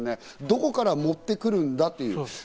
どこから持ってくるんだっていうね。